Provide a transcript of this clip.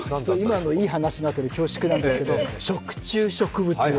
今のいい話のあとで恐縮なんですが食虫植物。